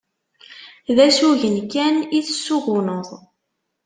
D asugen kan i tessuguneḍ.